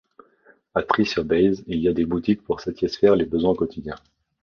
À Trie-sur-Baïse, il y a des boutiques pour satisfaire les besoins quotidiens.